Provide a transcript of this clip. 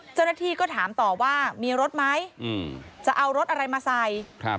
เจ้าหน้าที่ก็ถามต่อว่ามีรถไหมจะเอารถอะไรมาใส่